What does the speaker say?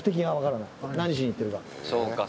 そうか。